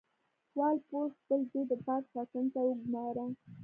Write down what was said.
وال پول خپل زوی د پارک ساتنې ته وګوماره.